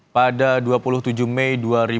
pada dua puluh tujuh mei dua ribu dua puluh